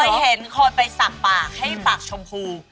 เห็นคนไปสักปากให้ปากชมพู